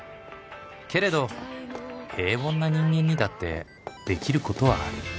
けれど平凡な人間にだってできることはある。